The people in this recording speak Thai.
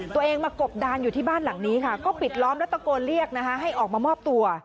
ตัวเองมากบดานอยู่ที่บ้านหลังนี้ค่ะก็ปิดล้อมแล้วตะโกนเรียกนะคะให้ออกมามอบตัว